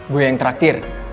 gue yang traktir